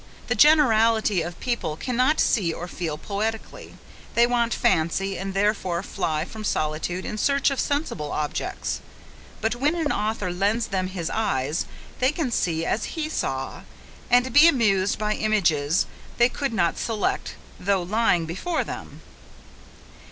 The generality of people cannot see or feel poetically, they want fancy, and therefore fly from solitude in search of sensible objects; but when an author lends them his eyes, they can see as he saw, and be amused by images they could not select, though lying before them.